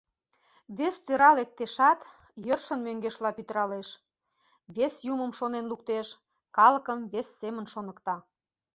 Вес тӧра лектешат, йӧршын мӧҥгешла пӱтыралеш: вес юмым шонен луктеш, калыкым вес семын шоныкта.